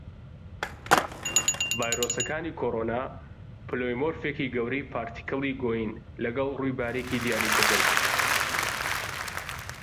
ڤایرۆسەکانی کۆڕۆنا پلۆیمۆرفیکی گەورەی پارتیکڵی گۆیین لەگەڵ ڕووی باریکی دیاریکردن.